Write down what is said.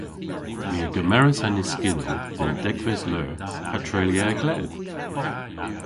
My a gemeras an yskynnell dhe'n degves leur ha treylya a-gledh.